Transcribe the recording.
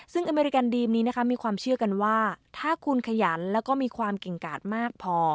ซึ่งอเมริกันดีมนี้นะคะมีความเชื่อกันว่าถ้าคุณขยันแล้วก็มีความเก่งกาดมากพอ